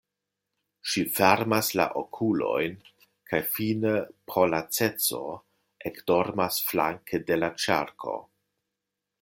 Ŝi fermas la okulojn kaj fine pro laceco ekdormas flanke de la ĉerko.